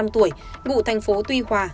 ba mươi năm tuổi ngụ thành phố tuy hòa